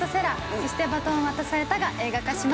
『そして、バトンは渡された』が映画化します。